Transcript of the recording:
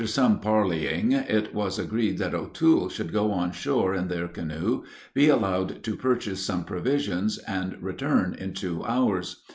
After some parleying it was agreed that O'Toole should go on shore in their canoe, be allowed to purchase some provisions, and return in two hours.